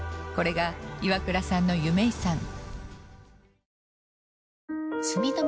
これが岩倉さんの夢遺産。